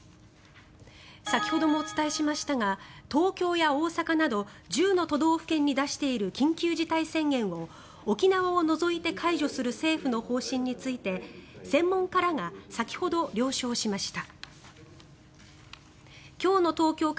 先ほどもお伝えしましたが東京や大阪など１０の都道府県に出している緊急事態宣言を沖縄を除いて解除する政府の方針について専門家らが先ほど了承しました。